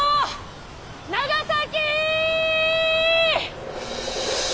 長崎！